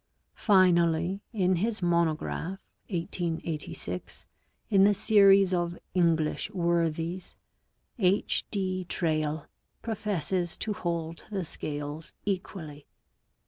Finally, in his monograph (1886) in the series of " English Worthies," H. D. Traill professes to hold the scales equally.